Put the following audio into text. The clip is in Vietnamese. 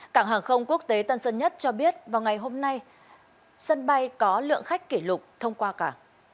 cảng hàng không quốc tế tân sơn nhất cho biết vào ngày hôm nay sân bay có lượng khách kỷ lục thông qua cảng